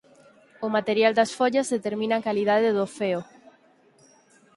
O material das follas determina a calidade do feo.